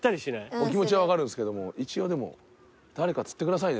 お気持ちは分かるんですけども一応でも誰か釣ってくださいね